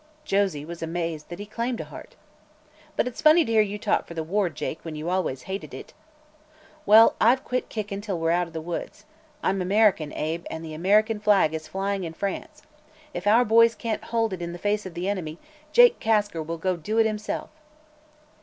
(Josie was amazed that he claimed a heart.) "But it's funny to hear you talk for the war, Jake, when you always hated it." "Well, I've quit kickin' till we're out of the woods. I'm an American, Abe, and the American flag is flying in France. If our boys can't hold it in the face of the enemy, Jake Kasker will go do it himself!"